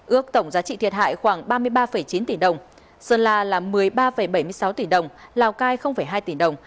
ước tổng giá trị thiệt hại khoảng ba mươi ba chín tỷ đồng sơn la là một mươi ba bảy mươi sáu tỷ đồng lào cai hai tỷ đồng